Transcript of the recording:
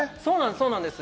そうなんです。